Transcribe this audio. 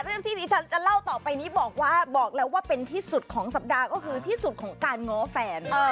เรื่องที่ที่ฉันจะเล่าต่อไปนี้บอกว่าบอกแล้วว่าเป็นที่สุดของสัปดาห์ก็คือที่สุดของการง้อแฟน